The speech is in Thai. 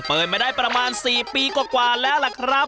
เปิดมาได้ประมาณ๔ปีกว่าแล้วล่ะครับ